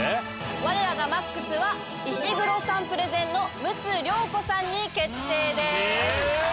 我らがＭＡＸは石黒さんプレゼンの陸奥亮子さんに決定です。